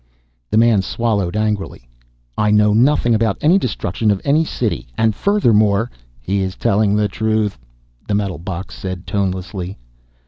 The man swallowed angrily. "I know nothing about any destruction of any city. And furthermore " "He is telling the truth," the metal box said tonelessly.